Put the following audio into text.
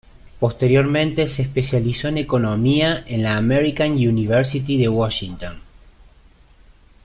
Posteriormente se especializó en economía en la American University de Washington.